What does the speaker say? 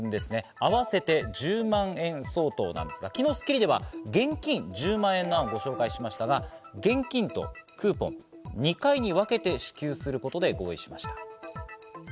合わせて１０万円相当なんですが、昨日『スッキリ』では現金１０万円をご紹介しましたが、現金とクーポン、２回に分けて支給することで合意しました。